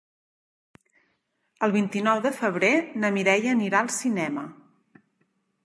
El vint-i-nou de febrer na Mireia anirà al cinema.